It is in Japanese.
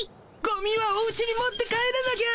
ゴミはおうちに持って帰らなきゃ。